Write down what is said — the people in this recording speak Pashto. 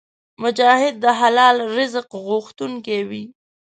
مجاهد د حلال رزق غوښتونکی وي.